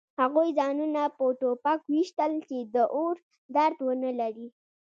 هغوی ځانونه په ټوپک ویشتل چې د اور درد ونلري